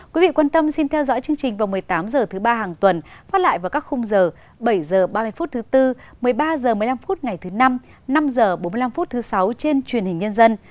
quý vị quan tâm xin theo dõi chương trình vào một mươi tám h thứ ba hàng tuần phát lại vào các khung giờ bảy h ba mươi phút thứ bốn một mươi ba h một mươi năm phút ngày thứ năm năm h bốn mươi năm phút thứ sáu trên truyền hình nhân dân